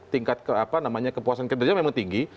tingkat kepuasan kinerja memang tinggi